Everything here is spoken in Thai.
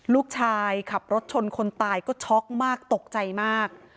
ลูกชายขับรถชนคนตายก็ช็อกมากตกใจมาก